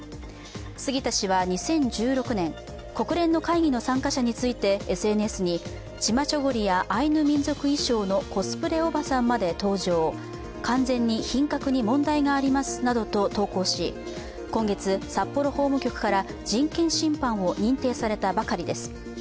杉田氏は２０１６年、国連の会議の参加者についてＳＮＳに、チマチョゴリやアイヌ民族衣装のコスプレおばさんまで登場完全に品格に問題がありますなどと投稿し今月、札幌法務局から人権侵犯を認定されたばかりです。